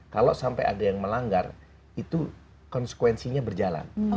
kalau sampai ada yang melanggar itu konsekuensinya berjalan